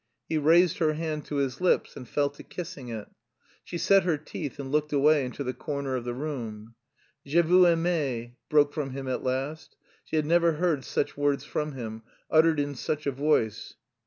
He raised her hand to his lips and fell to kissing it. She set her teeth and looked away into the corner of the room. "Je vous aimais," broke from him at last. She had never heard such words from him, uttered in such a voice.